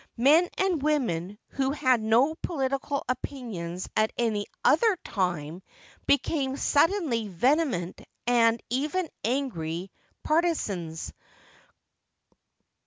Men and women who had no political opinions at any other time becrme suddenly vthtnnnt ai d even angiy partisans.